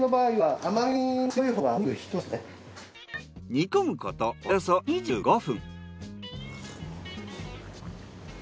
煮込むことおよそ２５分。